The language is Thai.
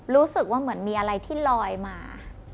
รู้สึกว่าเหมือนมีอะไรที่ลอยมา